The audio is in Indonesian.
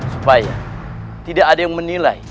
supaya tidak ada yang menilai